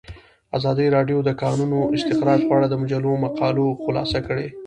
ازادي راډیو د د کانونو استخراج په اړه د مجلو مقالو خلاصه کړې.